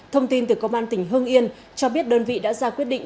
thông tin từ công an tỉnh hương yên cho biết đơn vị đã ra quyết định